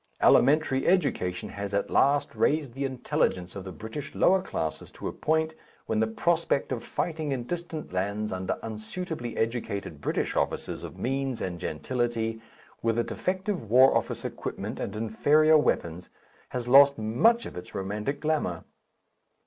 Elementary education has at last raised the intelligence of the British lower classes to a point when the prospect of fighting in distant lands under unsuitably educated British officers of means and gentility with a defective War Office equipment and inferior weapons has lost much of its romantic glamour.